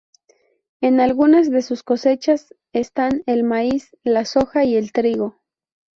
En algunas de sus cosechas están, el maíz, la soja y el trigo.